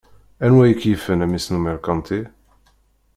Anwa i k-yifen a mmi-s n umeṛkanti?